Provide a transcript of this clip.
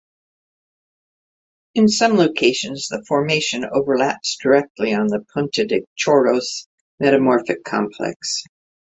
In some locations the formation overlaps directly on the Punta de Choros Metamorphic Complex.